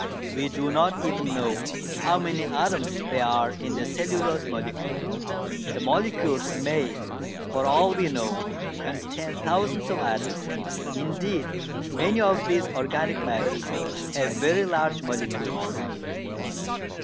We do not even know how many atoms there are in the cellulose molecule. The molecules may, for all we know, contain thousands of atoms. Indeed many of these organic matters have very large molecules.